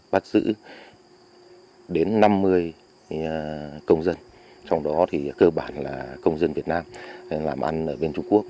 bắt giữ đến năm mươi công dân trong đó thì cơ bản là công dân việt nam làm ăn ở bên trung quốc